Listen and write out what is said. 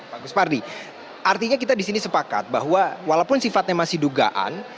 pak kuspardi artinya kita disini sepakat bahwa walaupun sifatnya masih dugaan